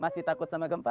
masih takut sama gempa